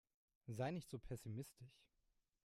Sei nicht so pessimistisch.